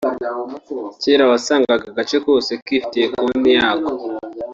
kera wasangaga agace kose kifitiye konti yako